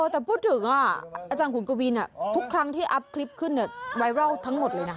แต่พูดถึงอาจารย์ขุนกวินทุกครั้งที่อัพคลิปขึ้นไวรัลทั้งหมดเลยนะ